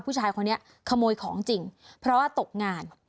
ผู้ชายคนนี้ขโมยของจริงเพราะว่าตกงาน